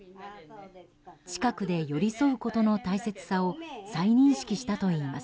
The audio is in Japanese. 近くで寄り添うことの大切さを再認識したといいます。